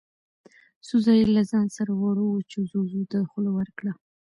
څو ځايه يې له ځان سره وړو وچو ځوځو ته خوله ورکړه.